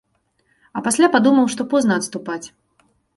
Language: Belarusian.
А пасля падумаў што позна адступаць.